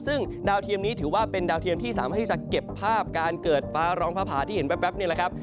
ซึ่งดาวเทียมนี้ถือว่าเป็นดาวเทียมที่สามารถที่จะเก็บภาพการเกิดฟ้าร้องฟ้าผ่าที่เห็นแป๊บนี่แหละครับ